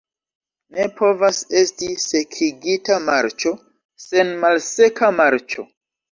Ne povas esti "sekigita marĉo" sen "malseka marĉo".